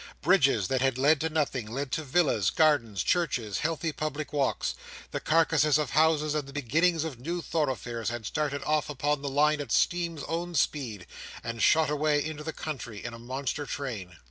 Bridges that had led to nothing, led to villas, gardens, churches, healthy public walks. The carcasses of houses, and beginnings of new thoroughfares, had started off upon the line at steam's own speed, and shot away into the country in a monster train.